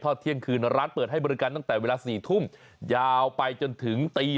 เที่ยงคืนร้านเปิดให้บริการตั้งแต่เวลา๔ทุ่มยาวไปจนถึงตี